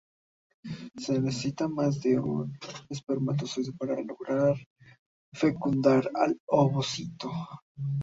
Se necesita más de un espermatozoide para lograr fecundar al ovocito.